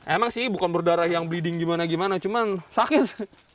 emang sih bukan berdarah yang breeding gimana gimana cuman sakit